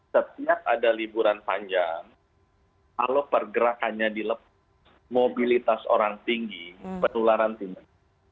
setiap ada liburan panjang kalau pergerakannya dilepas mobilitas orang tinggi penularan tidak